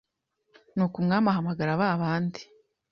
Nuko umwami ahamagara ba bandi,